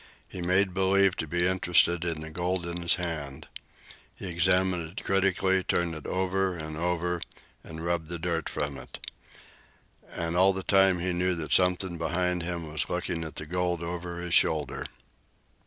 He made believe to be interested in the gold in his hand. He examined it critically, turned it over and over, and rubbed the dirt from it. And all the time he knew that something behind him was looking at the gold over his shoulder.